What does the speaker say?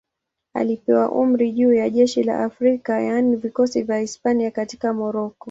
Alipewa amri juu ya jeshi la Afrika, yaani vikosi vya Hispania katika Moroko.